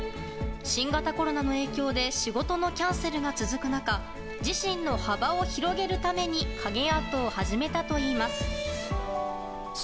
新型コロナの影響で仕事のキャンセルが続く中自身の幅を広げるために影アートを始めたといいます。